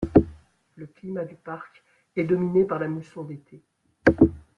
Le climat du parc est dominé par la mousson d'été.